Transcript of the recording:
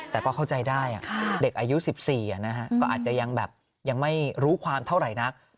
แต่ก็เข้าใจได้เด็กอายุ๑๔ก็อาจจะยังแบบยังไม่รู้ความเท่าไหร่นัก